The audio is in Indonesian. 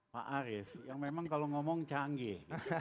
pak arief yang memang kalau ngomong canggih